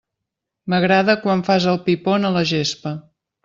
M'agrada quan fas el pi pont a la gespa.